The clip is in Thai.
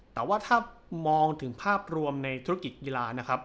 แต่ว่าถ้ามองถึงภาพรวมในธุรกิจกีฬานะครับ